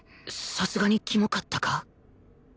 さすがにキモかったか？